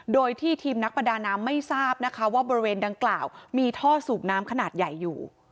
โดยที่ทีมนักประดาน้ำไม่ทราบนะคะว่าบริเวณดังกล่าวมีท่อสูบน้ำขนาดใหญ่อยู่